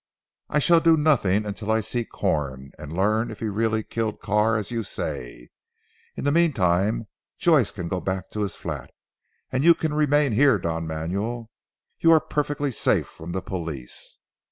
"I shall do nothing until I see Corn, and learn if he really killed Carr as you say. In the meantime Joyce can go back to his flat, and you can remain here Don Manuel. You are perfectly safe from the police."